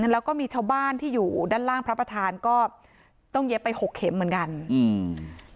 แล้วก็มีชาวบ้านที่อยู่ด้านล่างพระประธานก็ต้องเย็บไปหกเข็มเหมือนกันอืม